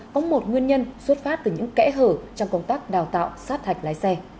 có một nguyên nhân xuất phát từ những kẽ hở trong công tác đào tạo sát hạch lái xe